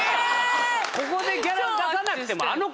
ここでギャラ出さなくても。